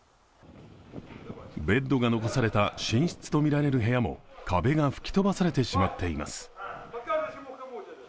ベッドが残された寝室とみられる部屋も壁が吹き飛ばされてしまっています。